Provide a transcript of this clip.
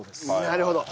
なるほど。